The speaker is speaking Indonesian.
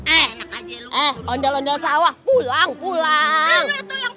eh ondel ondel sawah pulang pulang